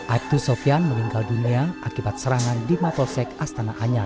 aibtu sofian meninggal dunia akibat serangan di mapolsek astana anyar